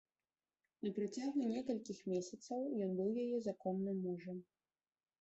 На працягу некалькіх месяцаў ён быў яе законным мужам.